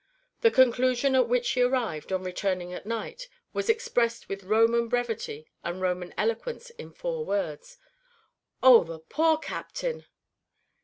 The conclusion at which she arrived, on returning at night, was expressed with Roman brevity and Roman eloquence in four words: "Oh, the poor Captain!"